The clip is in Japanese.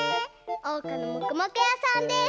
おうかの「もくもくやさん」です。